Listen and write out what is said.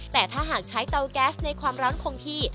แต่ถ้าหากใช้เตาแก๊สในความร้อนคงที่